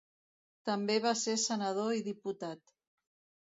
També va ser senador i diputat.